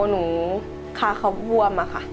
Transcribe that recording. หนูคาเขาวว่าม่ะค่ะ